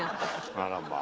あらまあ。